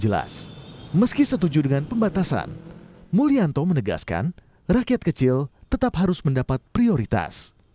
jelas meski setuju dengan pembatasan mulyanto menegaskan rakyat kecil tetap harus mendapat prioritas